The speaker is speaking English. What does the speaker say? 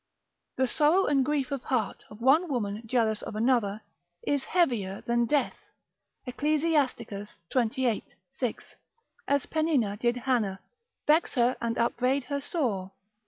The sorrow and grief of heart of one woman jealous of another, is heavier than death, Ecclus. xxviii. 6. as Peninnah did Hannah, vex her and upbraid her sore.